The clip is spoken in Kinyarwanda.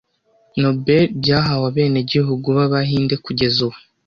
Nobel byahawe abenegihugu b'Abahinde kugeza ubu